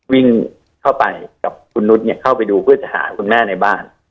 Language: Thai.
วิ่งเข้าไปกับคุณนุษย์เข้าไปดูเพื่อจะหาคุณแม่ในบ้าน